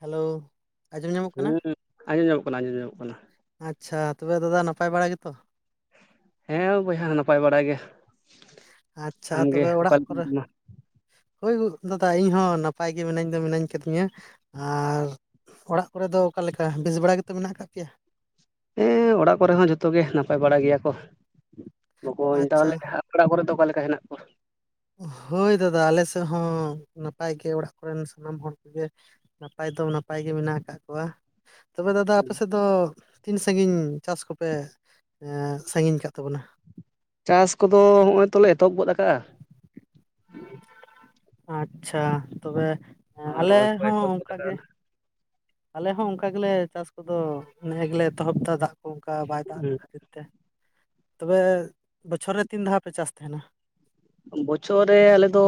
Hello ᱟᱸᱡᱚᱢ ᱧᱟᱢᱚᱜ ᱠᱟᱱᱟ ᱦᱮᱸ ᱟᱸᱡᱚᱢ ᱧᱚᱜ ᱠᱟᱱᱟ, ᱟᱸᱡᱚᱢ ᱧᱚᱜᱚᱜ ᱠᱟᱱᱟ᱾ ᱟᱪᱪᱷᱟ ᱛᱚᱵᱮ ᱫᱟᱫᱟ ᱱᱟᱯᱟᱭ ᱵᱟᱲᱟ ᱜᱮᱛᱚ? ᱦᱮᱸ ᱵᱚᱭᱦᱟ ᱱᱟᱯᱟᱭ ᱵᱟᱲᱟ ᱜᱮ, ᱟᱪᱪᱷᱟ ᱟᱢᱜᱮ ᱛᱚᱵᱮ ᱚᱠᱟ ᱚᱲᱟᱜ ᱠᱚᱨᱮ [unintelligible] ᱦᱳᱭ ᱫᱟᱫᱟ ᱤᱧᱦᱚᱸ ᱱᱟᱯᱟᱭ ᱜᱮ ᱢᱤᱱᱟᱹᱧ ᱫᱚ ᱢᱤᱱᱟᱹᱧ ᱠᱟᱫᱤᱧᱟ, ᱟᱨ ᱚᱲᱟᱜ ᱠᱚᱨᱮᱚ ᱫᱚ ᱚᱠᱟᱞᱮᱠᱟ ᱵᱮᱥ ᱵᱟᱲᱟ ᱜᱮᱛᱚ ᱢᱮᱱᱟᱜ ᱠᱟᱜ ᱯᱮᱭᱟ? ᱦᱮᱸ ᱚᱲᱟᱜ ᱠᱚᱨᱮ ᱦᱚᱸ ᱡᱚᱛᱚ ᱜᱮ ᱱᱟᱯᱟᱭ ᱵᱟᱲᱟ ᱜᱮᱭᱟ ᱠᱚ, ᱵᱚᱞᱚᱣ ᱟᱪᱪᱷᱟ ᱛᱟᱦᱞᱮ [unintelligible] ᱚᱲᱟᱜ ᱠᱚᱨᱮ ᱫᱚ ᱚᱠᱟ ᱞᱮᱠᱟ ᱦᱮᱱᱟᱜ ᱠᱚᱣᱟ? ᱦᱳᱭ ᱫᱟᱫᱟ ᱟᱞᱮ ᱥᱮᱜ ᱦᱚᱸ ᱱᱟᱯᱟᱭ ᱜᱮ ᱚᱲᱟᱜ ᱠᱚᱨᱮᱱ ᱥᱟᱱᱟᱢ ᱦᱚᱲ ᱠᱚᱜᱮ᱾ ᱱᱟᱯᱟᱭ ᱫᱚ ᱱᱟᱯᱟᱭ ᱜᱮ ᱢᱮᱱᱟᱜ ᱟᱠᱟᱜ ᱠᱚᱣᱟ᱾ ᱛᱚᱵᱮ ᱫᱟᱫᱟ ᱟᱯᱮ ᱥᱮᱫ ᱫᱚ ᱛᱤᱱ ᱥᱟᱺᱜᱤᱧ ᱪᱟᱥ ᱠᱚᱯᱮ ᱮᱸ ᱥᱟᱺᱜᱤᱧ ᱠᱟᱜ ᱛᱟᱵᱚᱱᱟ? ᱪᱟᱥ ᱠᱚᱫᱚ ᱦᱚᱸᱜᱼᱚᱭ ᱛᱚᱞᱮ ᱮᱛᱚᱦᱚᱵ ᱜᱚᱫ ᱠᱟᱜᱼᱟ᱾ ᱟᱪᱪᱷᱟ ᱛᱚᱵᱮ ᱟᱨ ᱟᱞᱮ ᱨᱚᱦᱚᱭ ᱠᱚ ᱦᱚᱸ ᱮᱛᱚᱦᱚᱵ ᱜᱚᱫ ᱚᱝᱠᱟᱜ ᱟᱠᱟᱜᱼᱟ ᱜᱮ ᱞᱮ᱾ ᱟᱞᱮ ᱦᱚᱸ ᱚᱝᱠᱟ ᱜᱮᱞᱮ ᱪᱟᱥ ᱠᱚᱫᱚ ᱱᱮᱜᱼᱮ ᱜᱮᱞᱮ ᱮᱛᱚᱦᱚᱵᱫᱟ ᱫᱟᱜ ᱠᱚ ᱚᱝᱠᱟ ᱵᱟᱭ ᱫᱟᱜ ᱟᱠᱟᱫ ᱠᱷᱟᱹᱛᱤᱨ᱾ ᱛᱮ ᱛᱚᱵᱮ ᱵᱚᱪᱷᱚᱨ ᱨᱮ ᱛᱤᱱ ᱫᱷᱟᱣ ᱯᱮ ᱪᱟᱥ ᱛᱟᱦᱮᱱᱟ? ᱵᱚᱪᱷᱚᱨ ᱨᱮ ᱟᱞᱮ ᱫᱚ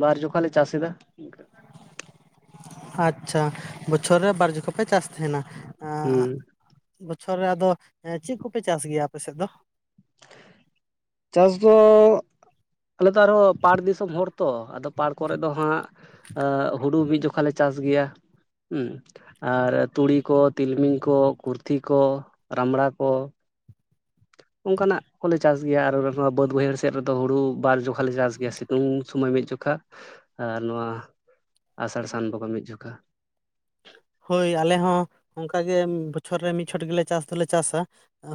ᱵᱟᱨ ᱡᱚᱠᱷᱟ ᱞᱮ ᱪᱟᱥᱮᱫᱟ᱾ ᱟᱪᱪᱷᱟ ᱵᱚᱪᱷᱚᱨ ᱨᱮ ᱵᱟᱨ ᱡᱚᱠᱷᱚ ᱯᱮ ᱪᱟᱥ ᱛᱟᱦᱮᱱᱟ᱾ ᱦᱩᱸ ᱟᱸ ᱵᱚᱪᱷᱚᱨ ᱨᱮ ᱟᱫᱚ ᱮᱸ ᱪᱮᱜ ᱠᱚᱯᱮ ᱪᱟᱥ ᱜᱮᱭᱟ ᱟᱯᱮ ᱥᱮᱜ ᱫᱚ? ᱪᱟᱥ ᱫᱚ ᱟᱞᱮᱫᱚ ᱟᱨᱦᱚ ᱯᱟᱴ ᱫᱤᱥᱚᱢ ᱦᱚᱲ ᱛᱚ ᱟᱫᱚ ᱯᱟᱲ ᱠᱚᱨᱮ ᱫᱚ ᱦᱟᱸᱜ ᱮ ᱦᱩᱲᱩ ᱢᱤᱫ ᱡᱚᱠᱷᱟ ᱞᱮ ᱪᱟᱥ ᱜᱮᱭᱟ ᱦᱩ᱾ ᱟᱨ ᱛᱩᱲᱤ ᱠᱚ, ᱛᱤᱞᱢᱤᱧ ᱠᱚ, ᱠᱩᱨᱛᱷᱤ ᱠᱚ, ᱨᱟᱢᱲᱟ ᱠᱚ᱾ ᱚᱝᱠᱟᱱᱟᱜ ᱠᱚᱞᱮ ᱪᱟᱥ ᱜᱮᱭᱟ ᱟᱨ ᱱᱚᱣᱟ ᱵᱟᱹᱫᱽ ᱵᱟᱹᱭᱦᱟᱹᱲ ᱥᱮᱫ ᱨᱮᱫᱚ ᱦᱩᱲᱩ ᱵᱟᱨ ᱡᱚᱠᱷᱟ ᱞᱮ ᱪᱟᱥ ᱜᱮᱭᱟ᱾ ᱥᱤ ᱩᱱ ᱥᱚᱢᱚᱭ ᱢᱤᱫ ᱡᱚᱠᱷᱟ ᱟᱨ ᱱᱚᱣᱟ ᱟᱥᱟᱲ ᱥᱟᱱ ᱵᱚᱸᱜᱟ ᱢᱤᱫ ᱡᱚᱠᱷᱟ᱾ ᱦᱳᱭ ᱟᱞᱮ ᱦᱚᱸ ᱚᱝᱠᱟ ᱜᱮ ᱵᱚᱪᱷᱚᱨ ᱨᱮ ᱢᱤᱫ ᱪᱷᱚᱴ ᱜᱮᱞᱮ ᱪᱟᱥ ᱫᱚᱞᱮ ᱪᱟᱥᱟ᱾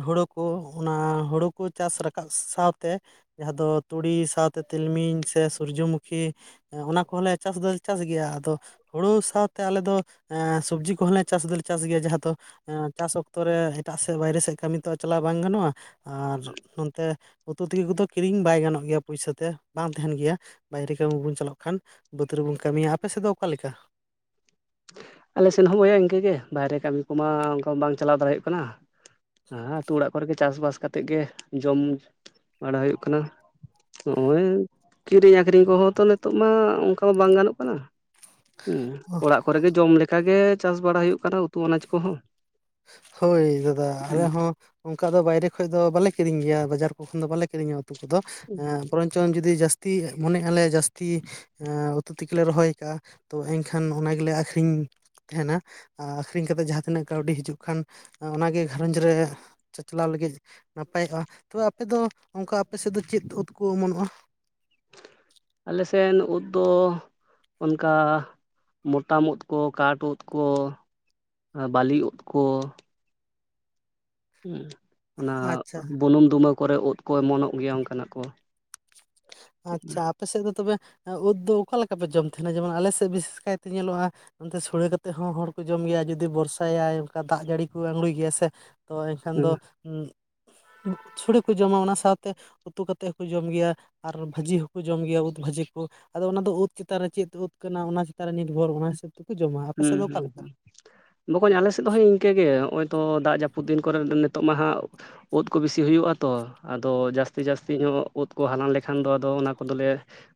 ᱦᱩᱲᱩ ᱠᱚ ᱚᱱᱟ ᱦᱩᱲᱩ ᱠᱚ ᱪᱟᱥ ᱨᱟᱠᱟᱵ ᱥᱟᱶᱛᱮ ᱡᱟᱦᱟᱸ ᱫᱚ ᱛᱩᱲᱤ ᱥᱟᱶᱛᱮ ᱛᱤᱞᱢᱤᱧ ᱥᱮ ᱥᱩᱨᱡᱚᱢᱩᱠᱷᱤ ᱮ ᱚᱱᱟ ᱠᱚᱦᱚᱸᱞᱮ ᱪᱟᱥ ᱫᱚᱞᱮ ᱪᱟᱥ ᱜᱮᱭᱟ, ᱟᱫᱚ ᱦᱩᱲᱩ ᱥᱟᱶᱛᱮ ᱟᱞᱮ ᱫᱚ ᱮᱸ ᱥᱚᱵᱡᱤ ᱠᱚᱦᱚᱸ ᱞᱮ ᱪᱟᱥ ᱫᱚᱞᱮ ᱪᱟᱥ ᱜᱮᱭᱟ ᱡᱟᱦᱟᱸ ᱫᱚ ᱮᱸ ᱪᱟᱥ ᱚᱠᱛᱚ ᱨᱮ ᱮᱴᱟᱜ ᱥᱮᱜ ᱵᱟᱭᱨᱮ ᱥᱮᱫ ᱠᱟᱹᱢᱤ ᱛᱚ ᱪᱟᱞᱟᱣ ᱵᱟᱝ ᱜᱟᱱᱚᱜᱼᱟ᱾ ᱟᱨ ᱱᱚᱱᱛᱮ ᱩᱛᱩ ᱛᱮᱠᱤ ᱠᱚᱫᱚ ᱠᱤᱨᱤᱧ ᱵᱟᱭ ᱜᱟᱱᱚᱜ ᱜᱮᱭᱟ ᱯᱩᱭᱥᱟᱹ ᱛᱮ ᱵᱟᱝ ᱛᱟᱦᱮᱱ ᱜᱮᱭᱟ᱾ ᱵᱟᱭᱨᱮ ᱠᱟᱹᱢᱤ ᱵᱚᱱ ᱪᱟᱞᱟᱜ ᱠᱷᱟᱱ ᱵᱟᱹᱫᱽ ᱨᱮ ᱵᱚᱱ ᱠᱟᱹᱢᱤᱭᱟ ᱟᱯᱮ ᱥᱮᱫ ᱫᱚ ᱚᱠᱟ ᱞᱮᱠᱟ? ᱟᱞᱮ ᱥᱮᱱ ᱦᱚᱸ ᱵᱚᱭᱦᱟ ᱤᱝᱠᱟᱹᱜᱮ ᱵᱟᱭᱨᱮ ᱠᱟᱹᱢᱤ ᱠᱚᱢᱟ ᱚᱝᱠᱟ ᱵᱟᱝ ᱪᱟᱞᱟᱣ ᱫᱟᱲᱮᱜᱦᱩᱭᱩᱜ ᱠᱟᱱᱟ᱾ ᱦᱮᱸ ᱟᱛᱳ ᱚᱲᱟᱜ ᱠᱚᱨᱮ ᱜᱮ ᱪᱟᱥ ᱵᱟᱥ ᱠᱟᱛᱮᱜ ᱜᱮ ᱡᱚᱢ ᱧᱩ ᱵᱟᱲᱟ ᱦᱩᱭᱩᱜ ᱠᱟᱱᱟ᱾ ᱱᱚᱜᱼᱚᱭ ᱠᱤᱨᱤᱧ ᱟᱹᱠᱷᱨᱤᱧ ᱠᱚᱦᱚᱸ ᱛᱚ ᱱᱤᱛᱚᱜ ᱢᱟ ᱚᱝᱠᱟ ᱢᱟ ᱵᱟᱝ ᱜᱟᱱᱚᱜ ᱠᱟᱱᱟ᱾ ᱦᱮᱸ ᱚᱲᱟᱜ ᱠᱚᱨᱮ ᱜᱮ ᱡᱚᱢ ᱞᱮᱠᱟ ᱜᱮ ᱪᱟᱥ ᱵᱟᱲᱟ ᱦᱩᱭᱩᱜ ᱠᱟᱱᱟ ᱩᱛᱩ ᱟᱱᱟᱡ ᱠᱚᱦᱚᱸ᱾ ᱦᱳᱭ ᱫᱟᱫᱟ ᱟᱞᱮ ᱦᱚᱸ ᱚᱝᱠᱟ ᱫᱚ ᱵᱟᱭᱨᱮ ᱠᱷᱚᱡ ᱫᱚ ᱵᱟᱞᱮ ᱠᱤᱨᱤᱧ ᱜᱮᱭᱟ ᱵᱟᱡᱟᱨ ᱠᱚ ᱠᱷᱚᱱ ᱫᱚ ᱵᱟᱞᱮ ᱠᱤᱨᱤᱧᱟ ᱩᱛᱩ ᱠᱚᱫᱚ᱾ ᱪᱚᱝ ᱡᱩᱫᱤ ᱡᱟᱹᱥᱛᱤ ᱢᱚᱱᱮ ᱟᱞᱮ ᱡᱟᱹᱥᱛᱤ ᱩᱛᱩ ᱛᱮᱠᱤᱞᱮ ᱨᱚᱦᱚᱭ ᱠᱟᱜᱼᱟ ᱛᱚ ᱮᱱᱠᱷᱟᱱ ᱚᱱᱟ ᱜᱮᱞᱮ ᱟᱹᱠᱷᱨᱤᱧ ᱛᱟᱦᱮᱱᱟ ᱟᱹᱠᱷᱨᱤᱧ ᱠᱟᱛᱮᱜ ᱡᱟᱦᱟᱸ ᱛᱤᱱᱟᱹᱜ ᱠᱟᱹᱣᱰᱤ ᱦᱤᱡᱩᱜ ᱠᱷᱟᱱ ᱚᱱᱟᱜᱮ ᱜᱷᱟᱨᱚᱸᱡᱽ ᱨᱮ ᱪᱟᱪᱞᱟᱣ ᱞᱟᱹᱜᱤᱫ ᱱᱟᱯᱟᱭᱚᱜᱼᱟ, ᱛᱚᱵᱮ ᱟᱯᱮ ᱫᱚ ᱚᱱᱠᱟ ᱟᱯᱮ ᱥᱮᱫ ᱫᱚ ᱪᱮᱫ ᱩᱫ ᱠᱚ ᱚᱢᱚᱱᱚᱜᱼᱟ᱾ ᱟᱞᱮ ᱥᱮᱱ ᱩᱫ ᱫᱚ ᱚᱱᱠᱟ ᱢᱚᱛᱟᱢ ᱩᱫ ᱠᱚ, ᱠᱟᱴ ᱩᱫ ᱠᱚ, ᱵᱟᱹᱞᱤ ᱩᱫ ᱠᱚ, ᱦᱩ ᱚᱱᱟ ᱟᱪᱪᱷᱟ ᱵᱩᱱᱩᱢ ᱫᱩᱢᱟᱹ ᱠᱚᱨᱮ ᱩᱫ ᱠᱚ ᱮᱢᱚᱱᱚᱜ ᱜᱮᱭᱟ ᱚᱱᱠᱟᱱᱟᱜ ᱠᱚ, ᱟᱪᱪᱷᱟ ᱟ ᱯᱮ ᱥᱮᱫ ᱫᱚ ᱛᱚᱵᱮ ᱩᱫ ᱫᱚ ᱚᱠᱟ ᱞᱮᱠᱟ ᱯᱮ ᱡᱚᱢ ᱛᱟᱦᱮᱱᱟ ᱡᱮᱢᱚᱱ ᱟᱞᱮ ᱥᱮᱫ ᱵᱤᱥᱮᱥ ᱠᱟᱭᱛᱮ ᱧᱮᱞᱚᱜᱼᱟ ᱱᱚᱱᱛᱮ ᱥᱩᱲᱮ ᱠᱟᱛᱮᱫ ᱦᱚᱸ ᱦᱚᱲ ᱠᱚ ᱡᱚᱢ ᱜᱮᱭᱟ ᱡᱩᱫᱤ ᱵᱷᱚᱨᱥᱟᱭᱟᱭ ᱚᱱᱠᱟ ᱫᱟᱜ ᱡᱟᱹᱲᱤ ᱠᱩ ᱟᱸᱜᱬᱩᱭ ᱜᱮᱭᱟ ᱥᱮ ᱛᱚ ᱮᱱᱠᱷᱟᱱ ᱦᱩᱸ ᱫᱚ ᱩ ᱥᱩᱲᱟᱹ ᱠᱚ ᱡᱚᱢᱟ ᱚᱱᱟ ᱥᱟᱶᱛᱮ ᱩᱛᱩ ᱠᱟᱛᱮᱫ ᱦᱚᱸᱠᱚ ᱡᱚᱢ ᱜᱮᱭᱟ, ᱟᱨ ᱵᱷᱟᱹᱡᱤ ᱦᱚᱸᱠᱚ ᱡᱚᱢ ᱜᱮᱭᱟ ᱩᱫ ᱵᱷᱟᱹᱡᱤ ᱠᱚ ᱟᱫᱚ ᱚᱱᱟ ᱫᱚ ᱩᱫ ᱪᱮᱛᱟᱱ ᱨᱮ ᱪᱮᱫ ᱩᱫ ᱠᱟᱱᱟ ᱚᱱᱟ ᱪᱮᱛᱟᱱ ᱨᱮ ᱱᱤᱨᱵᱷᱚᱨ ᱚᱱᱟ ᱦᱤᱥᱟᱹᱵ ᱛᱮᱠᱚ ᱡᱚᱢᱟ ᱟᱯᱮ ᱦᱩᱸ ᱥᱮᱫ ᱫᱚ ᱚᱠᱟ ᱦᱩᱸ ᱞᱮᱠᱟ᱾ ᱦᱩᱸ ᱵᱚᱠᱚᱧ ᱟᱞᱮ ᱥᱮᱫ ᱫᱚ ᱦᱳᱭ ᱤᱱᱠᱟᱹᱜ ᱜᱮ ᱱᱚᱜᱼᱚᱭ ᱛᱚ ᱫᱟᱜ ᱡᱟᱹᱯᱩᱫ ᱫᱤᱱ ᱠᱚᱨᱮ ᱱᱤᱛᱚᱜ ᱢᱟ ᱦᱟᱸᱜ ᱚᱫ ᱠᱚ ᱵᱥᱥᱤ ᱦᱩᱭᱩᱜᱼᱟ ᱛᱚ ᱟᱫᱚ ᱡᱟᱹᱥᱛᱤ ᱡᱟᱹᱥᱛᱤ ᱧᱚᱜ ᱩᱫ ᱠᱚ ᱦᱟᱞᱟᱝ ᱞᱮᱠᱷᱟᱱ ᱫᱚ ᱟᱫᱚ ᱚᱱᱟ ᱠᱚᱫᱚᱞᱮ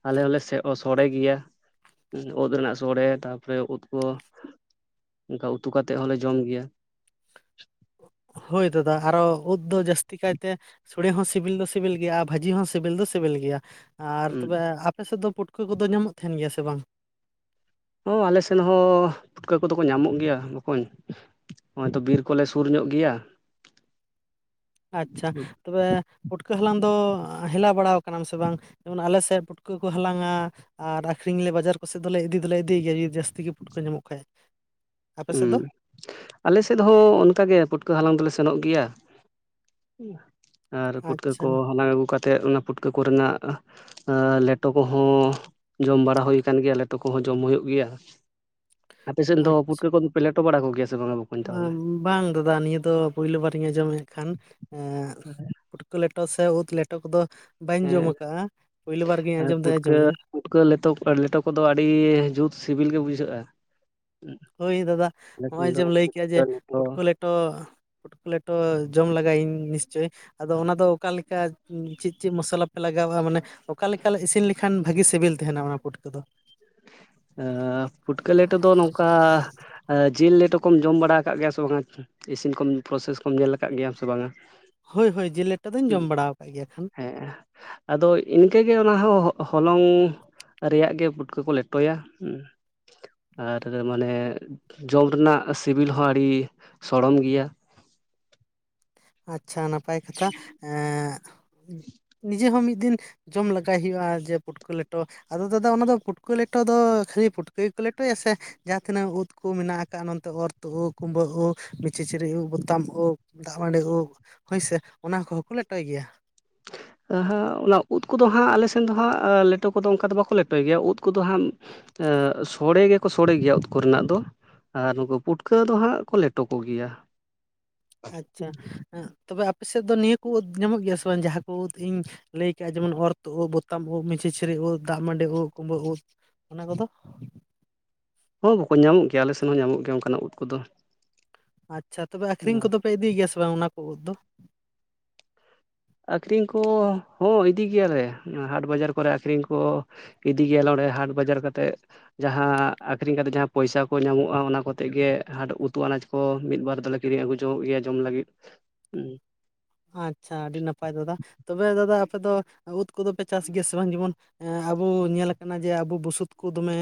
ᱟᱞᱮ ᱦᱚᱞᱮ ᱥᱮᱜ ᱥᱚᱲᱮ ᱜᱮᱭᱟ ᱩᱫ ᱨᱮᱱᱟᱜ ᱥᱚᱲᱮ, ᱛᱟᱯᱚᱨᱮ ᱩᱫ ᱠᱚ ᱚᱱᱠᱟ ᱩᱛᱩ ᱠᱟᱛᱮᱫ ᱦᱚᱸᱞᱮ ᱡᱚᱢ ᱜᱮᱭᱟ᱾ ᱦᱳᱭ ᱫᱟᱫᱟ ᱟᱨᱚ ᱩᱫ ᱫᱚ ᱡᱟᱹᱥᱛᱤ ᱠᱟᱭᱛᱮ ᱥᱚᱲᱮ ᱦᱚᱸ ᱥᱤᱵᱤᱞ ᱫᱚ ᱥᱤᱵᱤᱞ ᱜᱮᱭᱟ ᱟᱨ ᱵᱷᱟᱹᱡᱤ ᱦᱚᱸ ᱥᱤᱵᱤᱞ ᱫᱚ ᱥᱤᱵᱤᱞ ᱜᱮᱭᱟ, ᱟᱨ ᱦᱩᱸ ᱛᱚᱵᱮ ᱟᱯᱮᱥᱮᱫ ᱫᱚ ᱯᱩᱴᱩᱠᱟᱹ ᱠᱚᱫᱚ ᱧᱟᱢᱚᱜ ᱛᱟᱦᱮᱱ ᱜᱮᱭᱟ ᱥᱮ ᱵᱟᱝ᱾ ᱦᱚᱸ ᱟᱞᱮ ᱥᱮᱱ ᱦᱚᱸ ᱯᱩᱴᱠᱟᱹ ᱠᱚᱫᱚ ᱠᱚ ᱧᱟᱢᱚᱜ ᱜᱮᱭᱟ ᱵᱚᱠᱚᱧ ᱱᱚᱜᱼᱚᱭ ᱛᱚ ᱵᱤᱨ ᱠᱚᱞᱮ ᱥᱩᱨ ᱧᱚᱜ ᱜᱮᱭᱟ, ᱟᱪᱪᱷᱟ, ᱛᱚᱵᱮ ᱯᱩᱴᱠᱟᱹ ᱦᱟᱞᱟᱝ ᱫᱚ ᱦᱮᱞᱟᱣ ᱵᱟᱲᱟᱣ ᱠᱟᱱᱟᱢ ᱥᱮ ᱵᱟᱝ ᱡᱮᱢᱚᱱ ᱟᱞᱮ ᱥᱮᱫ ᱯᱩᱴᱠᱟᱹ ᱠᱚ ᱦᱟᱞᱟᱝᱟ ᱟᱨ ᱟᱹᱠᱷᱨᱤᱧ ᱞᱮ ᱵᱟᱡᱟᱨ ᱠᱚᱥᱮᱫ ᱫᱚᱞᱮ ᱤᱫᱤ ᱫᱚᱞᱮ ᱤᱫᱤᱭ ᱜᱮᱭᱟ ᱡᱩᱫᱤ ᱡᱟᱹᱥᱛᱤ ᱜᱮ ᱯᱩᱴᱠᱟᱹ ᱠᱚ ᱧᱟᱢᱚᱜ ᱠᱷᱟᱡ, ᱟᱯᱮ ᱥᱮᱫ ᱦᱩᱸ, ᱫᱚ ᱟᱞᱮ ᱥᱮᱫ ᱦᱚᱸ ᱚᱱᱠᱟᱜᱮ ᱯᱩᱴᱠᱟᱹ ᱦᱟᱞᱟᱝ ᱫᱚᱞᱮ ᱥᱮᱱᱚᱜ ᱜᱮᱭᱟ ᱟᱨ ᱯᱩᱴᱠᱟᱹ ᱟᱪᱪᱷᱟ ᱠᱚ ᱦᱟᱞᱟᱝ ᱟᱹᱜᱩ ᱠᱟᱛᱮᱫ ᱚᱱᱟ ᱯᱩᱴᱠᱟᱹ ᱠᱚᱨᱮᱱᱟᱜ ᱮᱸ ᱞᱮᱴᱚ ᱠᱚᱦᱚᱸ ᱡᱚᱢ ᱵᱟᱲᱟ ᱦᱩᱭ ᱟᱠᱟᱱ ᱜᱮᱭᱟ ᱞᱮᱴᱚ ᱠᱚᱦᱚᱸ ᱡᱚᱢ ᱦᱩᱭᱩᱜ ᱜᱮᱭᱟ, ᱟᱯᱮ ᱥᱮᱫ ᱫᱚ ᱟᱪᱪᱷᱟ ᱯᱩᱴᱠᱟᱹ ᱠᱚᱫᱚ ᱯᱮ ᱞᱮᱴᱚ ᱵᱟᱲᱟ ᱠᱚᱭᱟ ᱥᱮ ᱵᱟᱝᱟ, ᱵᱚᱠᱚᱧ ᱛᱟᱦᱚᱞᱮ ᱵᱟᱝ ᱫᱟᱫᱟ ᱱᱤᱭᱟᱹ ᱫᱚ ᱯᱳᱭᱞᱳ ᱵᱟᱨᱤᱧ ᱟᱸᱡᱚᱢ ᱮᱜ ᱠᱷᱟᱱ, ᱮᱫ, ᱯᱩᱴ ᱠᱟᱹ ᱞᱮᱴᱚ ᱥᱮ ᱩᱫ ᱞᱮᱴᱚ ᱠᱚᱫᱚ ᱵᱟᱹᱧ ᱡᱚᱢ ᱦᱮᱸ ᱠᱟᱜᱼᱟ ᱯᱳᱭᱞᱳ ᱵᱟᱨ ᱜᱤᱧ ᱟᱨ ᱟᱸᱡᱚᱢ ᱫᱚᱧ ᱯᱩᱴᱠᱟᱹ ᱟᱸᱡᱚᱢᱮᱜᱼᱟ᱾ ᱯᱩᱴᱠᱟᱹ ᱞᱮᱛᱚ ᱞᱮᱴᱚ ᱠᱚᱫᱚ ᱟᱹᱰᱤ ᱡᱩᱛ ᱥᱤᱵᱤᱞ ᱜᱮ ᱵᱩᱡᱷᱟᱹᱜᱼᱟ ᱦᱳᱭ ᱫᱟᱫᱟ ᱟᱞᱮ ᱥᱮᱱ ᱱᱚᱜᱼᱚᱭ ᱫᱚ ᱡᱮᱢ ᱞᱟᱹᱭ ᱠᱮᱜᱼᱟ ᱡᱮ ᱯᱩᱴᱠᱟᱹ ᱞᱮᱴᱚ ᱯᱩᱴᱠᱟᱹ ᱞᱮᱴᱚ ᱞᱮᱴᱚ ᱡᱚᱢ ᱞᱟᱜᱟᱭᱤᱧ ᱱᱤᱥᱪᱳᱭ ᱟᱫᱚ ᱚᱱᱟᱫᱚ ᱚᱠᱟᱮᱠᱟᱼᱼ ᱪᱮᱫ ᱪᱮᱫ ᱢᱚᱥᱞᱟ ᱯᱮ ᱞᱟᱜᱟᱣᱟᱜᱼᱟ ᱢᱟᱱᱮ ᱚᱠᱟ ᱞᱮᱠᱟᱞᱮ ᱤᱥᱤᱱ ᱞᱮᱠᱷᱟᱱ ᱵᱷᱟᱜᱤ ᱥᱤᱵᱤᱞ ᱛᱟᱦᱮᱱᱟ ᱚᱱᱟ ᱯᱩᱴᱠᱟ ᱫᱚ᱾ ᱟ ᱯᱷᱩᱴᱠᱟᱹ ᱞᱮᱴᱚ ᱫᱚ ᱱᱚᱝᱠᱟ ᱡᱤᱞ ᱞᱮᱴᱚ ᱠᱚᱢ ᱡᱚᱢ ᱵᱟᱲᱟ ᱟᱠᱟᱜ ᱜᱮᱭᱟ ᱥᱮ ᱵᱟᱝᱼᱟ᱾ ᱤᱥᱤᱱ ᱠᱚᱢ ᱯᱨᱚᱥᱮᱥ ᱠᱚᱢ ᱧᱮᱞ ᱟᱠᱟᱫ ᱜᱮᱭᱟᱟᱢ ᱥᱮ ᱵᱟᱝᱟ᱾ ᱦᱳᱭ ᱦᱳᱭ ᱡᱤᱞ ᱞᱮᱴᱚ ᱫᱚᱧ ᱡᱚᱢ ᱵᱟᱲᱟ ᱟᱠᱟᱜ ᱜᱮᱭᱟ ᱠᱷᱟᱱ᱾ ᱦᱮᱸ ᱟᱫᱚ ᱤᱱᱠᱟᱹᱜᱮ ᱚᱱᱟ ᱦᱚᱸ ᱦ ᱦᱚᱞᱚᱝ ᱨᱮᱭᱟᱜ ᱜᱮᱠᱚ ᱯᱩᱴᱠᱟ ᱠᱚ ᱞᱮᱴᱚᱭᱟ ᱦᱸ᱾ ᱟᱨ ᱢᱟᱱᱮ ᱡᱚᱢ ᱨᱮᱱᱟᱜ ᱥᱤᱵᱤᱞ ᱦᱚᱸ ᱟᱹᱰᱤ ᱥᱚᱲᱚᱢ ᱜᱮᱭᱟ, ᱟᱪᱪᱷᱟ ᱱᱟᱯᱟᱭ ᱠᱟᱛᱷᱟ ᱮ ᱱᱤᱡᱮ ᱦᱚᱸ ᱢᱤᱫ ᱫᱤᱱ ᱡᱚᱢ ᱞᱟᱜᱟᱭ ᱦᱩᱭᱩᱜᱼᱟ ᱡᱮ ᱯᱩᱴᱠᱟᱹ ᱞᱮᱴᱚ, ᱟᱫᱚ ᱫᱟᱫᱟ ᱚᱱᱟ ᱫᱚ ᱯᱩᱴᱠᱟᱹ ᱞᱮᱴᱚ ᱫᱚ ᱠᱷᱟᱹᱞᱤ ᱯᱩᱴᱠᱟᱹ ᱜᱮᱠᱚ ᱞᱮᱴᱚᱭᱟ ᱥᱮ, ᱡᱟᱦᱟᱸ ᱛᱤᱱᱟᱹᱜ ᱩᱫ ᱠᱚ ᱢᱮᱱᱟᱜ ᱟᱠᱟᱫ ᱱᱚᱛᱮ ᱚᱨ ᱛᱩᱫ ᱠᱩᱢᱵᱟᱹ ᱩᱵ ᱢᱚᱪᱤᱪᱤᱨᱤ ᱵᱩ ᱵᱚᱛᱟᱢ ᱩᱵᱼᱼ ᱫᱟᱜ ᱢᱟᱰᱤ ᱩᱱ ᱦᱳᱭᱥᱮ ᱚᱱᱟ ᱠᱚᱦᱚᱸ ᱠᱚ ᱞᱮᱴᱚᱭ ᱜᱮᱭᱟ᱾ ᱚᱦᱚᱸ ᱚᱱᱟ ᱩᱫ ᱠᱚᱫᱚ ᱦᱟᱸᱜ ᱟᱞᱮ ᱥᱮᱱ ᱫᱚ ᱦᱟᱸᱜ ᱞᱮᱴᱚ ᱠᱚᱫᱚ ᱚᱱᱠᱟ ᱫᱚ ᱵᱟᱠᱚ ᱞᱮᱴᱚᱭ ᱜᱮᱭᱟ ᱩᱫ ᱠᱚᱫᱚ ᱦᱟᱸᱜ ᱟᱹ ᱥᱚᱲᱮ ᱜᱮ ᱠᱚ ᱥᱚᱲᱮ ᱜᱮᱭᱟ ᱩᱛ ᱠᱚᱨᱮᱱᱟᱜ ᱫᱚ ᱟᱨ ᱱᱩᱠᱩ ᱯᱩᱴᱠᱟᱹ ᱫᱚ ᱦᱟᱸᱜ ᱠᱚ ᱞᱮᱴᱚ ᱠᱚᱜᱮᱭᱟ᱾ ᱟᱪᱪᱷᱟ ᱛᱚᱵᱮ ᱟᱯᱮ ᱥᱮᱫ ᱫᱚ ᱱᱤᱭᱟᱹ ᱠᱚ ᱩᱫ ᱧᱟᱢᱚᱜ ᱜᱮᱭᱟ ᱥᱮ ᱵᱟᱝ ᱡᱟᱦᱟᱸ ᱠᱚ ᱩᱫ ᱤᱧ ᱞᱟᱹᱭ ᱠᱟᱜᱼᱟ ᱡᱮᱢᱚᱱ ᱚᱨᱚᱛᱩ ᱩᱫ ᱵᱚᱛᱟᱢ ᱩᱫ ᱢᱩᱪᱷᱤᱪᱷᱤᱨᱤ ᱩᱫ ᱫᱟᱜ ᱢᱟᱹᱰᱤ ᱩᱫ ᱠᱩᱢᱵᱟᱹ ᱩᱫ ᱚᱱᱟ ᱠᱚᱫᱚ ᱦᱚᱸ ᱵᱚᱠᱚᱧ ᱧᱟᱢᱚᱜ ᱜᱮᱭᱟ ᱟᱞᱮ ᱥᱮᱱ ᱦᱚᱸ ᱧᱟᱢᱚᱜ ᱜᱮᱭᱟ ᱚᱱᱠᱟᱱᱟᱜ ᱩᱫ ᱠᱚᱫᱚ ᱟᱪᱪᱷᱟ ᱛᱚᱵᱮ ᱟᱠᱠᱷᱨᱤᱧ ᱠᱚᱫᱚ ᱯᱮ ᱤᱫᱤᱭ ᱜᱮᱭᱟ ᱥᱮ ᱵᱟᱝ ᱚᱱᱟ ᱠᱚ ᱩᱫ ᱫᱚ ᱟᱹᱠᱷᱨᱤᱧ ᱠᱚ ᱦᱚᱸ ᱤᱫᱤ ᱜᱮᱭᱟᱞᱮ ᱦᱟᱴ ᱵᱟᱡᱟᱨ ᱠᱚᱨᱮ ᱟᱹᱠᱷᱨᱤᱧ ᱠᱚ ᱤᱫᱤ ᱜᱮᱭᱟ ᱞᱮ ᱚᱸᱰᱮ ᱦᱟᱴ ᱵᱟᱡᱟᱨ ᱠᱟᱛᱮᱫ ᱡᱟᱦᱟᱸ ᱟᱹᱠᱷᱨᱤᱧ ᱠᱟᱛᱮ ᱡᱟᱦᱟᱸ ᱯᱚᱭᱥᱟ ᱠᱚ ᱧᱟᱢᱚᱜᱼᱟ ᱚᱱᱟ ᱠᱚᱛᱮ ᱜᱮ ᱦᱟᱴ ᱩᱛᱩ ᱟᱱᱟᱡᱽ ᱠᱚ ᱠᱚ ᱢᱤᱫ ᱵᱟᱨ ᱫᱚᱞᱮ ᱠᱤᱨᱤᱧ ᱟᱹᱜᱩ ᱡᱚᱝ ᱼᱚᱜ ᱜᱮᱭᱟ ᱡᱚᱢ ᱞᱟᱹᱜᱤᱫ ᱦᱚᱸ ᱟᱪᱪᱷᱟ ᱟᱹᱰᱤ ᱱᱟᱯᱟᱭ ᱫᱟᱫᱟ ᱛᱚᱵᱮ ᱫᱟᱫᱟ ᱟᱯᱮ ᱫᱚ ᱩᱫ ᱠᱚᱫᱚᱯᱮ ᱪᱟᱥ ᱜᱮᱭᱟ ᱥᱮ ᱵᱟᱝ ᱡᱮᱢᱚᱱ ᱟᱵᱚ ᱧᱮᱞ ᱟᱠᱟᱱᱟ ᱡᱮ ᱟᱵᱚ ᱵᱩᱥᱩᱵ ᱠᱚ ᱫᱚᱢᱮ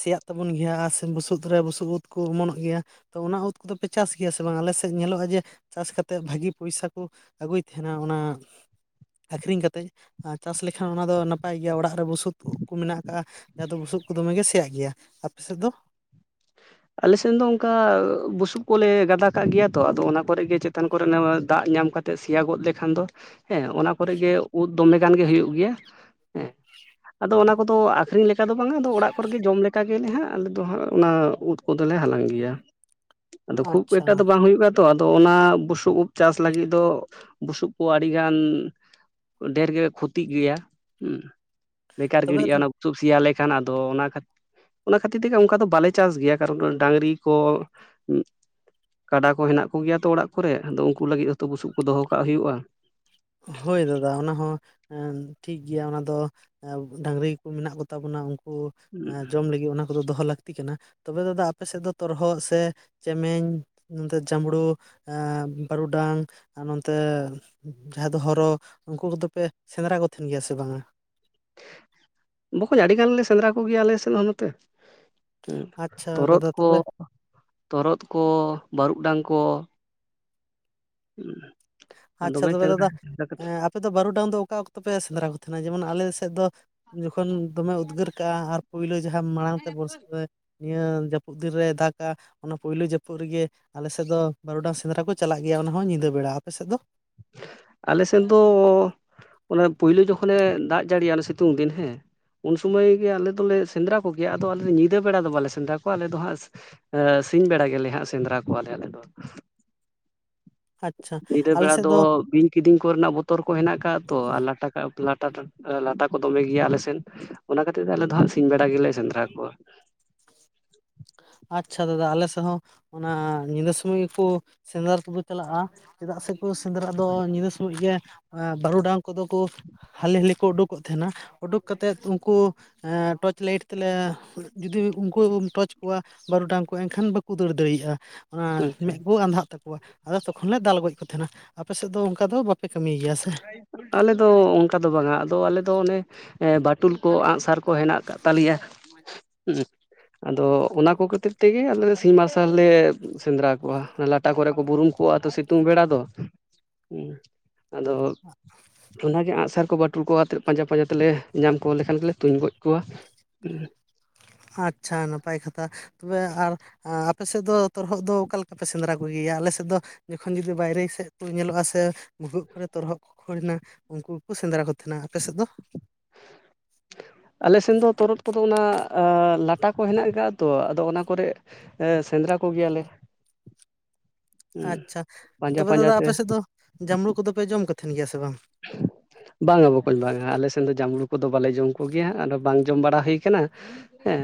ᱥᱮᱭᱟᱜ ᱛᱟᱵᱚᱱ ᱜᱮᱭᱟ ᱟᱨ ᱥᱮ ᱵᱩᱥᱩᱵ ᱨᱮ ᱵᱩᱥᱩᱵ ᱩᱫ ᱠᱚ ᱚᱢᱚᱱᱚᱜ ᱜᱮᱭᱟ ᱛᱚ ᱚᱱᱟ ᱩᱫ ᱠᱚᱫᱚᱯᱮ ᱪᱟᱥ ᱜᱮᱭᱟ ᱥᱮ ᱵᱟᱝ ᱟᱞᱮ ᱥᱮᱫ ᱧᱮᱞᱚᱜᱼᱟ ᱡᱮ ᱪᱟᱥ ᱠᱟᱛᱮᱜ ᱵᱷᱟᱹᱜᱤ ᱯᱚᱭᱥᱟ ᱠᱚ ᱟᱹᱜᱩᱭᱮᱫ ᱛᱟᱦᱮᱱᱟ ᱚᱱᱟ ᱟᱹᱠᱷᱨᱤᱧ ᱠᱟᱛᱮᱫ ᱪᱟᱥ ᱞᱮᱠᱷᱟᱱ ᱚᱱᱟ ᱫᱚ ᱱᱟᱯᱟᱭ ᱜᱮᱭᱟ ᱚᱲᱟᱜ ᱨᱮ ᱵᱩᱥᱩᱵ ᱵᱩᱥᱩᱵ ᱠᱚ ᱢᱮᱱᱟᱜ ᱠᱟᱜᱼᱟ ᱡᱟᱦᱟᱸ ᱫᱚ ᱵᱩᱥᱩᱵ ᱠᱚ ᱫᱚᱢᱮ ᱜᱮ ᱥᱮᱭᱟᱜ ᱜᱮᱭᱟ ᱟᱯᱮ ᱥᱮᱫ ᱫᱚ ᱟᱞᱮᱥᱱ ᱫᱚ ᱚᱱᱠᱟ ᱵᱩᱥᱩᱵ ᱠᱚᱞᱮ ᱜᱟᱫᱟ ᱠᱟᱜ ᱜᱮᱭᱟ ᱛᱚ ᱟᱫᱚ ᱚᱱᱟ ᱠᱚᱨᱮ ᱜᱮ ᱪᱮᱫ ᱪᱮᱛᱟᱱ ᱠᱚᱨᱮᱱᱟᱜ ᱫᱟᱜ ᱧᱟᱢ ᱠᱟᱛᱮᱜ ᱥᱮᱭᱟ ᱜᱚᱫ ᱞᱮᱠᱷᱟᱱ ᱫᱚ ᱦᱮᱸ ᱚᱱᱟ ᱠᱚᱨᱮ ᱜᱮ ᱩᱫ ᱫᱚᱢᱮ ᱜᱟᱱ ᱜᱮ ᱦᱩᱭᱩᱜ ᱜᱮᱭᱟ ᱦᱮᱸ ᱟᱫᱚ ᱚᱱᱟ ᱠᱚᱫᱚ ᱟᱹᱠᱷᱨᱤᱧ ᱞᱮᱠᱟ ᱞᱮᱠᱟ ᱫᱚ ᱵᱟᱝᱟ ᱟᱫᱚ ᱚᱲᱟᱜ ᱠᱚᱨᱮᱜᱮ ᱡᱚᱢ ᱞᱮᱠᱟ ᱜᱮᱞᱮ ᱦᱟᱸᱜ ᱟᱞᱮᱫ ᱫᱚ ᱦᱟᱸᱜ ᱚᱱᱟ ᱩᱫ ᱠᱚᱫᱚᱞᱮ ᱦᱟᱞᱟᱝ ᱜᱮᱭᱟ ᱟᱫᱚ ᱠᱷᱩᱵᱽ ᱟᱪᱪᱷᱟ ᱮᱠᱴᱟ ᱫᱚ ᱵᱟᱝ ᱦᱩᱭᱩᱜᱼᱟ ᱛᱚ ᱟᱫᱚ ᱚᱱᱟ ᱵᱩᱥᱩᱵ ᱩᱵ ᱪᱟᱥ ᱞᱟᱹᱜᱤᱫ ᱫᱚ ᱵᱩᱥᱩᱵ ᱠᱚ ᱟᱹᱰᱤᱜᱟᱱ ᱰᱷᱮᱨ ᱜᱮ ᱠᱷᱚᱛᱤᱜ ᱜᱮᱭᱟ ᱦᱮᱸ ᱵᱮᱠᱟᱨ ᱛᱚᱵᱮ ᱜᱤᱲᱤᱜᱼᱟ ᱚᱱᱟ ᱵᱩᱥᱩᱵ ᱥᱮᱭᱟᱞᱮ ᱠᱷᱟᱱ ᱟᱫᱚ ᱚᱱᱟ ᱚᱱᱟ ᱠᱷᱟᱹᱛᱤᱨ ᱛᱮᱜᱮ ᱚᱱᱠᱟ ᱫᱚ ᱵᱟᱞᱮ ᱪᱟᱥ ᱜᱮᱭᱟ ᱠᱟᱨᱚᱱ ᱰᱟᱝᱨᱤ ᱠᱚ ᱠᱟᱰᱟ ᱠᱚ ᱦᱮᱱᱟᱜ ᱠᱚ ᱜᱮᱭᱟ ᱛᱚ ᱚᱲᱟᱜ ᱠᱚᱨᱮ ᱟᱫᱚ ᱩᱱᱠᱩ ᱞᱟᱹᱜᱤᱫ ᱦᱚᱛᱳ ᱵᱩᱥᱩᱵ ᱠᱚ ᱫᱚᱦᱚ ᱠᱟᱜ ᱦᱩᱭᱩᱜᱼᱟ ᱦᱳᱭ ᱫᱟᱫᱟ ᱚᱱᱟ ᱦᱚᱸ ᱴᱷᱤᱠ ᱜᱮᱭᱟ ᱚᱱᱟ ᱫᱚ ᱰᱟᱝᱨᱤ ᱠᱚ ᱢᱮᱱᱟᱜ ᱠᱚᱛᱟ ᱵᱚᱱᱟ ᱩᱱᱠᱩ ᱡᱚᱢ ᱞᱟᱹᱜᱤᱫ ᱚᱱᱟ ᱫᱚᱦᱚ ᱞᱟᱹᱠᱛᱤ ᱠᱟᱱᱟ ᱛᱚᱵᱮ ᱫᱟᱫᱟ ᱟᱯᱮ ᱥᱮᱫ ᱫᱚ ᱛᱚᱨᱦᱚᱫ ᱥᱮ ᱪᱮᱢᱮᱧ ᱱᱚᱛᱮ ᱡᱟᱢᱲᱩ ᱵᱟᱹᱨᱩᱰᱟᱝ ᱟᱨ ᱱᱚᱛᱮ ᱡᱟᱦᱟᱸᱭ ᱫᱚ ᱦᱚᱨᱚ ᱩᱱᱠᱩ ᱠᱚᱫᱚ ᱯᱮ ᱥᱮᱸᱫᱽᱨᱟ ᱠᱚ ᱛᱟᱦᱮᱱ ᱜᱮᱭᱟ ᱥᱮ ᱵᱟᱝ ᱼᱟ ᱵᱚᱠᱚᱧ ᱟᱹᱰᱤ ᱜᱟᱱ ᱞᱮ ᱥᱮᱸᱫᱽᱨᱟ ᱠᱚᱜᱮᱭᱟ ᱟᱞᱮ ᱥᱮᱱ ᱦᱚᱸ ᱱᱚᱛᱮ ᱟᱪᱪᱷᱟ ᱛᱚᱨᱦᱚᱫ ᱫᱟᱫᱟ ᱠᱚ ᱛᱚᱵᱮ ᱛᱚᱨᱚᱫ ᱠᱚ ᱵᱟᱹᱨᱩᱜ ᱰᱟᱝ ᱠᱚ ᱾ ᱦᱮ ᱟᱪᱪᱷᱟ ᱫᱚᱢᱮ ᱛᱚᱵᱮ ᱥᱮᱸᱫᱽᱨᱟ ᱫᱟᱫᱟ ᱯᱟᱸᱡᱟ ᱮᱸ ᱠᱟᱛᱮ ᱾ ᱟᱯᱮ ᱫᱚ ᱵᱟᱹᱨᱩᱰᱟᱝ ᱫᱚ ᱚᱠᱟ ᱚᱠᱛᱚ ᱯᱮ ᱥᱮᱸᱫᱽᱨᱟ ᱠᱚ ᱛᱟᱦᱮᱱᱟ ᱡᱮᱢᱚᱱ ᱟᱞᱮᱥᱮᱫ ᱫᱚ ᱡᱚᱠᱷᱚᱱ ᱫᱚᱢᱮ ᱩᱫᱽᱜᱟᱹᱨ ᱠᱟᱜᱼᱟ ᱟᱨ ᱾ ᱯᱳᱭᱞᱳ ᱡᱟᱦᱟᱸ ᱢᱟᱲᱟᱝ ᱛᱮ ᱵᱚᱨᱥᱟ ᱱᱤᱭᱟᱹ ᱡᱟᱹᱯᱩᱫ ᱫᱤᱱ ᱨᱮ ᱫᱟᱜᱟ ᱾ ᱚᱱᱟ ᱯᱳᱭᱞᱳ ᱡᱟᱹᱯᱩᱫ ᱨᱮᱜᱮ ᱟᱞᱮ ᱥᱮᱫ ᱫᱚ ᱵᱟᱨᱚᱰᱟᱝ ᱥᱮᱸᱫᱽᱨᱟ ᱠᱚ ᱪᱟᱞᱟᱜ ᱜᱮᱭᱟ ᱚᱱᱟ ᱦᱚᱸ ᱧᱤᱫᱟᱹ ᱵᱮᱲᱟ ᱟᱯᱮ ᱥᱮᱫ ᱫᱚ ᱾ ᱟᱞᱮ ᱥᱮᱫ ᱫᱚ ᱚᱱᱮ ᱯᱳᱭᱞᱳ ᱡᱚᱠᱷᱚᱱᱮ ᱫᱟᱜ ᱡᱟᱹᱲᱤᱭᱟ ᱥᱤᱛᱩᱝ ᱫᱤᱱ ᱦᱮᱸ ᱾ ᱩᱱ ᱥᱚᱢᱚᱭ ᱜᱮ ᱟᱞᱮ ᱫᱚᱞᱮ ᱥᱮᱸᱫᱽᱨᱟ ᱠᱚᱜᱮᱭᱟ ᱟᱫᱚ ᱟᱞᱮ ᱫᱚ ᱧᱤᱫᱟᱹ ᱵᱮᱲᱟ ᱫᱚ ᱵᱟᱞᱮ ᱥᱮᱸᱫᱽᱨᱟ ᱠᱚᱣᱟ ᱟᱞᱮ ᱫᱚ ᱦᱟᱸᱜ ᱾ ᱥᱤᱧ ᱵᱮᱲᱟ ᱜᱮᱞᱮ ᱦᱟᱸᱜ ᱥᱮᱸᱫᱽᱨᱟ ᱠᱚᱣᱟ ᱟᱞᱮ ᱟᱞᱮ ᱫᱚ ᱾ ᱟᱪᱷᱟ ᱧᱤᱫᱟᱹ ᱟᱞᱮ ᱵᱮᱲᱟ ᱥᱮᱫ ᱾ ᱫᱚ ᱵᱤᱧ ᱠᱤᱫᱤᱧ ᱠᱚᱨᱮᱱᱟᱜ ᱵᱚᱛᱚᱨ ᱠᱚ ᱦᱮᱱᱟᱜ ᱟᱠᱟᱫᱼᱟ ᱛᱚ ᱟᱨ ᱞᱟᱴᱟ ᱠᱟᱜ ᱾ ᱞᱟᱴᱟ ᱞᱟᱴᱟ ᱠᱚ ᱫᱚᱢᱮ ᱜᱮᱭᱟ ᱟᱞᱮ ᱥᱮᱱ ᱚᱱᱟ ᱠᱷᱟᱹᱛᱤᱨ ᱛᱮ ᱟᱞᱮ ᱫᱚ ᱦᱟᱸᱜ ᱥᱤᱧ ᱵᱮᱲᱟ ᱜᱮᱞᱮ ᱥᱮᱸᱫᱽᱨᱟ ᱠᱚᱣᱟ ᱾ ᱟᱪᱷᱟ ᱫᱟᱫᱟ ᱟᱞᱮ ᱥᱮᱫ ᱦᱚᱸ ᱚᱱᱟ ᱧᱤᱫᱟᱹ ᱥᱚᱢᱚᱭ ᱜᱮ ᱠᱚ ᱥᱮᱸᱫᱽᱨᱟ ᱛᱮᱠᱚ ᱪᱟᱞᱟᱜᱼᱟ ᱾ ᱪᱮᱫᱟᱜ ᱥᱮᱠᱚ ᱥᱮᱸᱫᱽᱨᱟ ᱫᱚ ᱧᱤᱫᱟᱹ ᱥᱚᱢᱚᱭ ᱜᱮ ᱵᱟᱹᱨᱩᱰᱟᱝ ᱠᱚ ᱫᱚ ᱠᱚ ᱾ ᱦᱟᱹᱞᱤ ᱦᱟᱹᱞᱤ ᱠᱚ ᱩᱰᱩᱠᱚᱜ ᱛᱟᱦᱮᱱᱟ ᱩᱰᱩᱠ ᱠᱟᱛᱮᱫ ᱩᱱᱠᱩ ᱾ ᱴᱚᱨᱪ ᱞᱟᱭᱤᱴ ᱛᱮᱞᱮ ᱡᱩᱫᱤ ᱩᱱᱠᱩ ᱴᱚᱨᱪ ᱾ ᱠᱚᱣᱟ ᱵᱟᱹᱨᱩᱰᱟᱝ ᱠᱚ ᱮᱱᱠᱷᱟᱱ ᱵᱟᱠᱚ ᱫᱟᱹᱲ ᱫᱟᱲᱮᱭᱟᱜᱼᱟ ᱟᱪᱪᱷᱟ ᱢᱮᱫ ᱠᱚ ᱟᱸᱫᱷᱟᱜ ᱛᱟᱠᱚᱣᱟ ᱾ ᱟᱫᱚ ᱛᱚ ᱠᱷᱚᱱ ᱞᱮ ᱫᱟᱞ ᱜᱚᱡ ᱠᱚ ᱛᱟᱦᱮᱱᱟ ᱟᱯᱮᱥᱮᱫ ᱫᱚ ᱚᱱᱠᱟ ᱫᱚ ᱵᱟᱯᱮ ᱠᱟᱹᱢᱤᱭ ᱜᱮᱭᱟ ᱥᱮ ᱾ ᱟᱞᱮ ᱫᱚ ᱚᱱᱠᱟ ᱫᱚ ᱵᱟᱝᱟ ᱟᱫᱚ ᱟᱞᱮ ᱫᱚ ᱚᱱᱮ ᱾ ᱮᱸ ᱵᱟᱴᱳᱞ ᱠᱚ ᱟᱸᱜᱥᱟᱨ ᱠᱚ ᱦᱮᱱᱟᱜ ᱟᱠᱟᱜ ᱛᱟᱞᱮᱭᱟ ᱦᱩᱸ ᱾ ᱟᱫᱚ ᱚᱱᱟ ᱠᱚ ᱠᱷᱟᱹᱛᱤᱨ ᱛᱮᱜᱮ ᱟᱞᱮ ᱥᱤᱧ ᱢᱟᱨᱥᱟᱞ ᱞᱮ ᱥᱮᱸᱫᱽᱨᱟ ᱠᱚᱣᱟ ᱞᱟ ᱴᱟ ᱠᱚᱨᱮ ᱠᱚ ᱵᱩᱨᱩᱢ ᱠᱚᱜᱼᱟ ᱛᱚ ᱥᱤᱛᱩᱝ ᱵᱮᱲᱟ ᱫᱚ ᱾ ᱟᱫᱚ ᱚᱱᱟᱜᱮ ᱟᱸᱜᱥᱟᱨ ᱠᱚ ᱴᱩ ᱠᱚᱣᱟ ᱟᱛᱮᱫ ᱯᱟᱸᱡᱟ ᱯᱟᱸᱡᱟ ᱛᱮᱞᱮ ᱧᱟᱢ ᱠᱚ ᱞᱮᱠᱷᱟᱱ ᱜᱮᱞᱮ ᱛᱩᱧ ᱜᱚᱡ ᱠᱚᱣᱟ ᱾ ᱟᱪᱷᱟ ᱱᱟᱯᱟᱭ ᱠᱟᱛᱷᱟ ᱛᱚᱵᱮ ᱟᱨ ᱟᱯᱮ ᱥᱮᱫ ᱫᱚ ᱛᱚᱨᱚᱦᱚᱫ ᱫᱚ ᱚᱠᱟ ᱞᱮᱠᱟ ᱯᱮ ᱥᱮᱸᱫᱽᱨᱟ ᱠᱚᱜᱮᱭᱟ? ᱟᱞᱮ ᱥᱮᱫ ᱫᱚ ᱡᱚᱠᱷᱚᱱ ᱡᱩᱫᱤ ᱵᱟᱭᱨᱮ ᱥᱮᱫ ᱠᱚ ᱧᱮᱞᱚᱜᱼᱟ ᱥᱮ ᱵᱷᱩᱜᱟᱹᱜ ᱠᱚᱨᱮ ᱛᱚᱨᱚᱦᱚᱫ, ᱠᱚᱨᱮᱱᱟ ᱩᱱᱠᱩ ᱜᱮᱠᱚ ᱥᱮᱸᱫᱽᱨᱟ ᱠᱚ ᱛᱟᱦᱮᱱᱟ᱾ ᱟᱯᱮ ᱥᱮᱫ ᱫᱚ? ᱟᱞᱮ ᱥᱮᱱ ᱫᱚ ᱛᱚᱨᱚᱫ ᱠᱚᱫᱚ ᱚᱱᱟ ᱞᱟᱴᱟ ᱠᱚ ᱦᱮᱱᱟᱜ ᱠᱟᱜ ᱛᱚ ᱟᱫᱚ ᱚᱱᱟ ᱠᱚᱨᱮᱜ ᱦᱮᱸ ᱥᱮᱸᱫᱽᱨᱟ ᱠᱚ ᱜᱮᱭᱟᱞᱮ ᱾ ᱟᱪᱪᱷᱟ ᱯᱟᱸᱡᱟ ᱛᱚᱵᱮ ᱯᱟᱸᱡᱟ ᱫᱟᱫᱟ ᱟᱯᱮ ᱛᱮ ᱥᱮᱫ ᱫᱚ ᱡᱟᱢᱲᱩ ᱠᱚ ᱫᱚ ᱯᱮ ᱡᱚᱢ ᱠᱟᱛᱮᱱ ᱜᱮᱭᱟ ᱥᱮ ᱵᱟᱝ? ᱵᱟᱝᱟ ᱵᱚᱠᱚᱧ ᱵᱟᱝᱟ ᱟᱞᱮ ᱥᱮᱱ ᱫᱚ ᱡᱟᱢᱲᱩ ᱠᱚᱫᱚ ᱵᱟᱞᱮ ᱡᱚᱢ ᱠᱚ ᱜᱮᱭᱟ ᱟᱨ ᱵᱟᱝ ᱡᱚᱢ ᱵᱟᱲᱟ ᱦᱳᱭ ᱠᱟᱱᱟ ᱾ ᱦᱮᱸ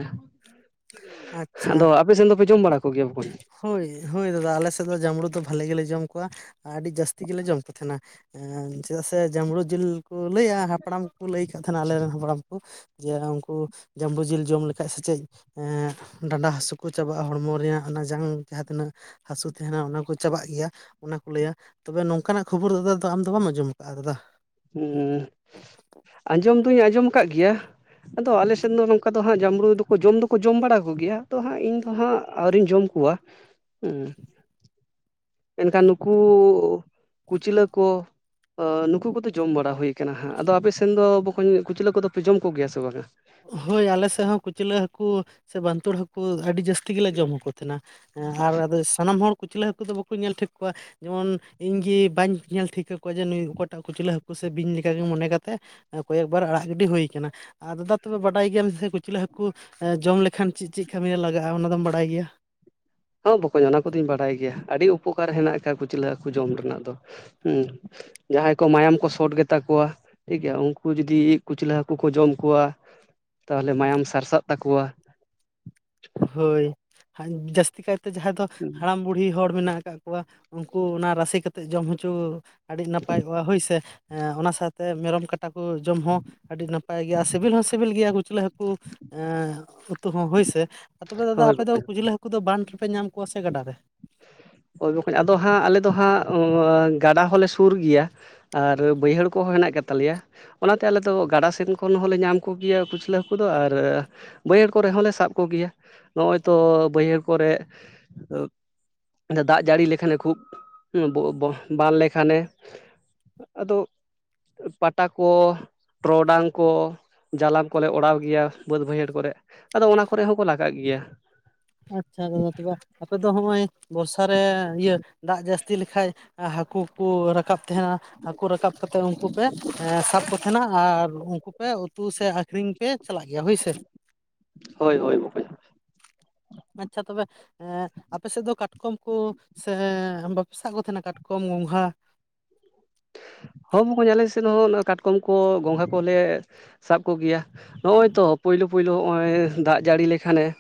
ᱟᱪᱪᱷᱟ ᱟᱫᱚ ᱟᱯᱮ ᱥᱮᱱ ᱫᱚ ᱯᱮ ᱡᱚᱢ ᱵᱟᱲᱟ ᱠᱚᱜᱮᱭᱟ ᱵᱚᱠᱚᱧ? ᱦᱳᱭ ᱦᱳᱭ ᱫᱟᱫᱟ ᱟᱞᱮ ᱥᱮᱫ ᱫᱚ ᱡᱟᱢᱲᱩ ᱫᱚ ᱵᱷᱟᱞᱤ ᱜᱮᱞᱮ ᱡᱚᱢ ᱠᱚᱣᱟ ᱟᱹᱰᱤ ᱡᱟᱹᱥᱛᱤ ᱜᱮᱞᱮ ᱡᱚᱢ ᱠᱚ ᱛᱟᱦᱮᱱᱟ ᱾ ᱪᱮᱫᱟᱜ ᱥᱮ ᱡᱟᱢᱲᱩ ᱡᱤᱞ ᱠᱚ ᱞᱟᱹᱭᱟ ᱦᱟᱯᱲᱟᱢ ᱠᱚᱠᱚ ᱞᱟᱹᱭ ᱠᱟᱫ ᱛᱟᱦᱮᱱᱟ ᱟᱞᱮᱨᱮᱱ ᱦᱟᱯᱲᱟᱢ ᱠᱚ ᱾ ᱡᱮ ᱩᱱᱠᱩ ᱡᱟᱢᱲᱩ ᱡᱤᱞ ᱡᱚᱢ ᱞᱮᱠᱷᱟᱡ ᱥᱮᱪᱮᱫ ᱮᱸᱜ ᱰᱟᱸᱰᱟ ᱦᱟᱹᱟᱥᱩ ᱠᱚ ᱪᱟᱵᱟᱜᱼᱟ ᱦᱚᱲᱢᱚ ᱨᱮᱭᱟᱜ ᱚᱱᱟ ᱡᱟᱝ ᱡᱟᱦᱟᱸ ᱛᱤᱱᱟᱹᱜ ᱦᱟᱹᱥᱩ ᱛᱟᱦᱮᱱᱟ ᱚᱱᱟ ᱠᱚ ᱪᱟᱵᱟᱜ ᱜᱮᱭᱟ ᱾ ᱚᱱᱟ ᱠᱚ ᱞᱟᱹᱭᱟ ᱛᱚᱵᱮ ᱱᱚᱝᱠᱟᱱᱟᱜ ᱠᱷᱚᱵᱚᱨ ᱫᱟᱫᱟ ᱫᱚ ᱟᱢ ᱫᱚ ᱵᱟᱢ ᱟᱸᱡᱚᱢ ᱟᱠᱟᱜᱼᱟ ᱫᱟᱫᱟ? ᱦᱩᱸ ᱟᱸᱡᱚᱢ ᱫᱩᱧ ᱟᱸᱡᱚᱢ ᱟᱠᱟᱜ ᱜᱮᱭᱟ ᱾ ᱟᱫᱚ ᱟᱞᱮ ᱥᱮᱫ ᱫᱚ ᱱᱚᱝᱠᱟ ᱫᱚ ᱦᱟᱸᱜ ᱡᱟᱢᱵᱽᱲᱩ ᱫᱚᱠᱚ ᱡᱚᱢ ᱫᱚᱠᱚ ᱡᱚᱢ ᱵᱟᱲᱟ ᱠᱚ ᱜᱮᱭᱟ ᱟᱫᱚ ᱦᱟᱸᱜ ᱤᱧᱫᱚ ᱦᱟᱸᱜ ᱟᱹᱣᱨᱤᱧ ᱡᱚᱢ ᱠᱚᱣᱟ ᱦᱩᱸ ᱾ [inaudible] ᱮᱱ ᱠᱷᱟᱱ ᱱᱩᱠᱩ ᱠᱩᱪᱞᱟᱹ ᱠᱚ ᱱᱩᱠᱩ ᱠᱚᱫᱚ ᱡᱚᱢ ᱵᱟᱲᱟ ᱦᱩᱭᱠᱟᱱᱟ ᱦᱟᱸᱜ, ᱟᱫᱚ ᱟᱯᱮ ᱥᱮᱱ ᱫᱚ ᱵᱚᱠᱚᱧ ᱠᱩᱪᱞᱟᱹ ᱠᱚᱫᱚ ᱯᱮ ᱡᱚᱢ ᱠᱚ ᱜᱮᱭᱟ ᱥᱮ ᱵᱟᱝᱟ? ᱦᱳᱭ ᱟᱞᱮ ᱥᱮᱫ ᱦᱚᱸ ᱠᱩᱪᱞᱟᱹ ᱦᱟᱹᱠᱩ ᱥᱮ ᱵᱟᱱᱛᱩᱲ ᱦᱟᱹᱠᱩ ᱟᱹᱰᱤ ᱡᱟᱹᱥ ᱛᱤ ᱜᱮᱞᱮ ᱡᱚᱢ ᱟᱠ ᱠᱚ ᱛᱟᱦᱮᱸᱱᱟ ᱟᱨ ᱟᱫᱚ ᱥᱟᱱᱟᱢ ᱦᱚᱲ ᱠᱩᱪᱞᱟᱹ ᱦᱟᱹᱠᱩ ᱫᱚ ᱵᱟᱠᱚ ᱧᱮᱞ ᱴᱷᱤᱠ ᱠᱚᱣᱟ ᱾ ᱡᱮᱢᱚᱱ ᱤᱧ ᱜᱮ ᱵᱟᱹᱧ ᱧᱮᱞ ᱴᱷᱤᱠ ᱠᱟᱠᱚᱣᱟ ᱡᱮ ᱱᱩᱭ ᱚᱠᱚᱭᱴᱟᱜ ᱠᱩᱪᱞᱟᱹ ᱦᱟᱹᱠᱩ ᱥᱮ ᱵᱤᱧ ᱞᱮᱠᱟᱜᱮ ᱢᱚᱱᱮ ᱠᱟᱛᱮᱜ ᱠᱚᱭᱮᱠᱵᱟᱨ ᱟᱲᱟᱜ ᱜᱤᱰᱤ ᱦᱩᱭ ᱠᱟᱱᱟ, ᱟ ᱫᱟᱫᱟ ᱛᱚᱵᱮ ᱵᱟᱰᱟᱭ ᱜᱮᱭᱟᱢ ᱠᱩᱪᱞᱟᱹ ᱦᱟᱹᱠᱩ ᱡᱚᱢ ᱞᱮ ᱠᱷᱟᱱ ᱪᱮᱫ ᱪᱮᱫ ᱠᱟᱹᱢᱤᱨᱮ ᱞᱟᱜᱟᱜᱼᱟ ᱚᱱᱟᱫᱚᱢ ᱵᱟᱰᱟᱭ ᱜᱮᱭᱟ ᱾ ᱦᱚᱸ ᱵᱚᱠᱚᱧ ᱚᱱᱟ ᱠᱚ ᱫᱚᱧ ᱵᱟᱰᱟᱭ ᱜᱮᱭᱟ᱾ ᱟᱹᱰᱤ ᱩᱯᱚᱠᱟᱨ ᱦᱮᱱᱟᱜ ᱟᱠᱟᱜᱼᱟ ᱠᱩᱪᱞᱟᱹ ᱦᱟᱹᱠᱩ ᱡᱚᱢ ᱨᱮᱱᱟᱜ ᱫᱚ ᱦᱩᱸ ᱾ ᱡᱟᱦᱟᱸᱭ ᱠᱚ ᱢᱟᱭᱟᱢ ᱠᱚ ᱥᱚᱴ ᱜᱮᱛᱟ ᱠᱚᱣᱟ᱾ ᱴᱷᱤᱠ ᱜᱮᱭᱟ ᱩᱱᱠᱩ ᱡᱚᱫᱤ ᱠᱩᱪᱞᱟᱹ ᱦᱟᱹᱠᱩ ᱠᱚ ᱡᱚᱢ ᱠᱚᱣᱟ᱾ ᱛᱟᱦᱚᱞᱮ ᱢᱟᱭᱟᱢ ᱥᱟᱨᱥᱟᱜ ᱛᱟᱠᱚᱣᱟ᱾ ᱦᱳᱭ ᱡᱟᱹᱥᱛᱤ ᱠᱟᱭᱛᱮ ᱡᱟᱦᱟᱸᱭ ᱫᱚ ᱦᱟᱲᱟᱢ, ᱵᱩᱲᱦᱤ ᱦᱚᱲ ᱢᱮᱱᱟᱜ ᱟᱠᱟᱜ ᱠᱚᱣᱟ ᱩᱱᱠᱩ ᱚᱱᱟ ᱨᱟᱥᱮ ᱠᱟᱛᱮᱫ ᱡᱚᱢ ᱦᱚᱪᱚ ᱟᱹᱰᱤ ᱱᱟᱯᱟᱭ ᱠᱚᱜᱼᱟ ᱦᱳᱭ ᱥᱮ, ᱚᱱᱟ ᱥᱟᱶᱛᱮ ᱢᱮᱨᱚᱢ ᱠᱟᱴᱟ ᱠᱚ ᱡᱚᱢ ᱦᱚᱸ ᱟᱹᱰᱤ ᱱᱟᱯᱟᱭ ᱜᱮᱭᱟ ᱥᱤᱵᱤᱞ ᱦᱚᱸ ᱥᱤᱵᱤᱞ ᱜᱮᱭᱟ ᱠᱩᱪᱞᱟᱹ ᱦᱟᱹ ᱠᱩ ᱩᱛᱩ ᱦᱚᱸ ᱦᱳᱭ ᱥᱮ ᱛᱚᱵᱮ ᱫᱟᱫᱟ ᱦᱳᱭ ᱟᱯᱮ ᱫᱚ ᱵᱚᱠᱚᱧ ᱠᱩᱪᱞᱟᱹ ᱦᱟ. ᱩᱱᱠᱩ ᱫᱚ ᱵᱟᱱᱫ ᱨᱮᱯᱮ ᱧᱟᱢ ᱠᱚᱣᱟ ᱥᱮ ᱜᱟᱰᱟ ᱨᱮ? ᱦᱳᱭ ᱵᱚᱠᱚᱧ ᱟᱫᱚ ᱦᱟᱸᱜ ᱟᱞᱮ ᱫᱚ ᱦᱟᱸᱜ ᱜᱟᱰᱟ ᱦᱚᱸᱞᱮ ᱥᱩᱨ ᱜᱮᱭᱟ᱾ ᱟᱨ ᱵᱟᱹᱭᱦᱟᱹᱲ ᱠᱚᱦᱚᱸ ᱦᱮᱱᱟᱜ ᱜᱮ ᱛᱟᱞᱮᱭᱟ᱾ ᱚᱱᱟᱛᱮ ᱟᱞᱮ ᱫᱚ ᱜᱟᱰᱟ ᱥᱮᱱ ᱠᱷᱚᱱ ᱦᱚᱸᱞᱮ ᱧᱟᱢ ᱠᱚᱜᱮᱭᱟ ᱠᱩᱪᱞᱟᱹ ᱦᱟᱹᱠᱩ ᱫᱚ ᱟᱨ ᱵᱟᱹᱭᱦᱟᱹᱲ ᱠᱚᱨᱮ ᱦᱚᱸᱞᱮ ᱥᱟᱵ ᱠᱚᱜᱮᱭᱟ ᱱᱚᱜᱼᱚᱭ ᱛᱚ ᱵᱟᱹᱭᱦᱟᱹᱲ ᱠᱚᱨᱮ ᱫᱟᱜ ᱡᱟᱹᱲᱤ ᱞᱮᱠᱷᱟᱱᱮ ᱠᱷᱩᱵ ᱵᱟᱱ ᱞᱮᱠᱷᱟᱱᱮ, ᱟᱫᱚ ᱯᱟᱴᱟ ᱠᱚ ᱴᱚᱨᱚᱰᱟᱝ ᱠᱚ ᱡᱟᱞᱟᱢ ᱠᱚᱞᱮ ᱚᱲᱟᱣ ᱜᱮᱭᱟ ᱵᱟᱹᱫᱽ ᱵᱟᱹᱭᱦᱟᱹᱲ ᱠᱚᱨᱮ ᱟᱫᱚ ᱚᱱᱟ ᱠᱚᱨᱮ ᱦᱚᱸᱠᱚ ᱞᱟᱜᱟᱜ ᱜᱮᱭᱟ᱾ ᱟᱪᱪᱷᱟ ᱫᱟᱫᱟ ᱛᱚᱵᱮ ᱟᱯᱮ ᱫᱚ ᱱᱚᱜᱼᱚᱭ ᱵᱚᱨᱥᱟ ᱨᱮ ᱤᱭᱟᱹ ᱫᱟᱜ ᱡᱟᱹᱥᱛᱤ ᱞᱮᱠᱷᱟᱡ ᱦᱟᱹᱠᱩ ᱠᱚ ᱨᱟᱠᱟᱵ ᱛᱟᱦᱮᱱᱟ ᱦᱟᱹᱠᱩ ᱨᱟᱠᱟᱵ ᱠᱟᱛᱮᱫ ᱩᱱᱠᱩ ᱯᱮ ᱥᱟᱵ ᱠᱚ ᱛᱟᱦᱮᱱᱟ ᱟᱨ ᱩᱱᱠᱩ ᱯᱮ ᱩᱛᱩ ᱥᱮ ᱟᱠᱠᱷᱨᱤᱧ ᱯᱮ ᱪᱟᱞᱟᱜ ᱜᱮᱭᱟ ᱦᱳᱭ ᱥᱮ ᱦᱳᱭ ᱦᱳᱭ ᱵᱚᱠᱚᱧ ᱟᱪᱪᱷᱟ ᱛᱚᱵᱮ ᱟᱯᱮ ᱥᱮᱫ ᱫᱚ ᱠᱟᱴᱠᱚᱢ ᱠᱚ ᱥᱮ ᱵᱟᱯᱮᱥᱟᱜ ᱠᱚ ᱛᱟᱦᱮᱱᱟ ᱠᱟᱴᱠᱚᱢ ᱜᱚᱝᱜᱷᱟ ᱦᱚᱸ [unintelligible] ᱟᱞᱮ ᱥᱮᱫ ᱦᱚᱸ ᱠᱟᱴᱠᱚᱢ ᱠᱚ ᱜᱚᱸᱜᱷᱟ ᱠᱚᱞᱮ ᱥᱟᱵ ᱠᱚᱜᱮᱭᱟ ᱱᱚᱜᱼᱚᱭ ᱛᱚ ᱯᱩᱭᱞᱩ ᱯᱩᱭᱞᱩ ᱱᱚᱜᱼᱚᱭ ᱫᱟᱜ ᱡᱟᱹᱲᱤ ᱞᱮᱠᱷᱟᱱᱮ